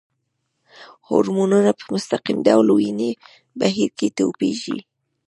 هورمونونه په مستقیم ډول وینې بهیر کې تویېږي.